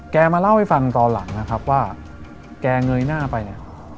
มาเล่าให้ฟังตอนหลังนะครับว่าแกเงยหน้าไปเนี่ย